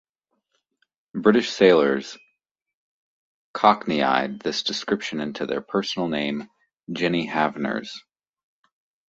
British sailors "cockneyed" this description into the personal name "Jenny Hanvers".